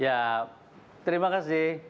ya terima kasih